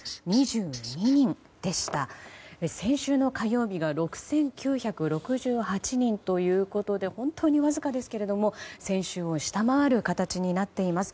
先週の火曜日が６９６８人ということで本当にわずかですけども先週を下回る形になっています。